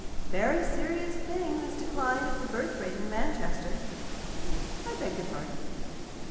"Very serious thing this decline of the birth rate in Manchester." "I beg your pardon?"